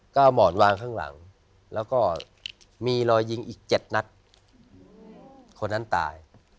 ก็เอาหมอนวางข้างหลังแล้วก็มีรอยยิงอีกเจ็ดนัดคนนั้นตาย